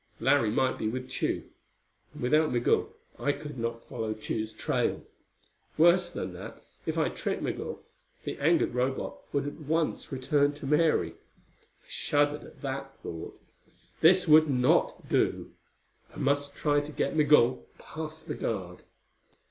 Larry might be with Tugh, and without Migul I could not follow Tugh's trail. Worse than that, if I tricked Migul, the angered Robot would at once return to Mary. I shuddered at the thought. That would not do. I must try to get Migul past the guard.